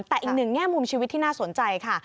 แต่อีกหนึ่งแง่มุมชีวิตที่น่าสนใจค่ะ